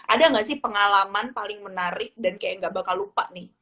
ada nggak sih pengalaman paling menarik dan kayak gak bakal lupa nih